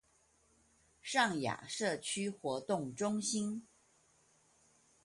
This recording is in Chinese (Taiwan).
上雅社區活動中心